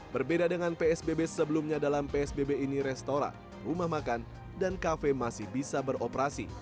berbeda dengan psbb sebelumnya dalam psbb ini restoran rumah makan dan kafe masih bisa beroperasi